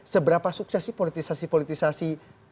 seberapa sukses sih politisasi politisasi